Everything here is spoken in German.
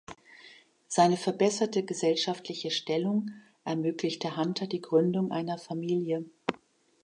Seine verbesserte gesellschaftliche Stellung ermöglichte Hunter die Gründung einer Familie.